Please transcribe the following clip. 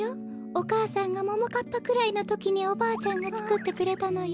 お母さんがももかっぱくらいのときにおばあちゃんがつくってくれたのよ。